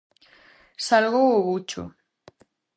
Salgou o bucho.